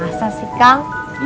masa sih kak